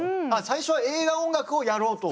最初は映画音楽をやろうと？